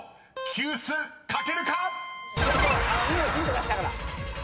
ニノヒント出したから。